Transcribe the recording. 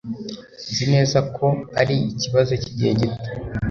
Nzi neza ko ari ikibazo cyigihe gito